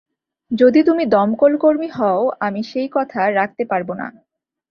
যদি তুমি দমকলকর্মী হও, আমি সেই কথা রাখতে পারবো না।